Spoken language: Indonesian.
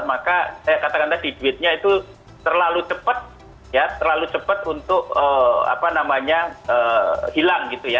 maka saya katakan tadi duitnya itu terlalu cepat ya terlalu cepat untuk hilang gitu ya